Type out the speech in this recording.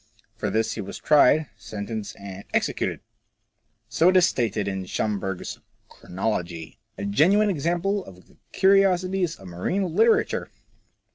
For this he was tried, sentenced, and executed ! So it is stated in Schomberg's " Chronology." A genuine example of the curiosities of marine literature